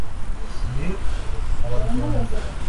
ni abanywanyi